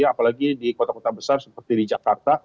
apalagi di kota kota besar seperti di jakarta